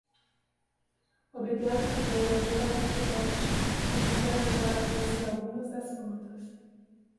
Obrigado também a Gerald Pennant por nos ajudar a conhecer algumas das plantas.